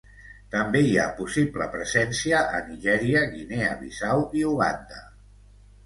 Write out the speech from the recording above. També hi ha possible presència a Nigèria, Guinea Bissau i Uganda.